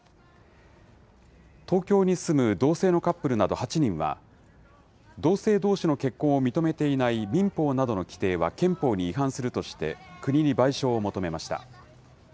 東京に住む同性のカップルなど８人は、同性どうしの結婚を認めていない民法などの規定は憲法に違反するとして、国に賠償を求めました。